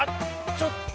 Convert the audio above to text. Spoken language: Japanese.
ちょっと！